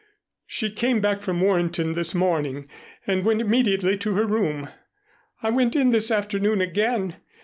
She came back from Warrenton this morning and went immediately to her room. I went in this afternoon again.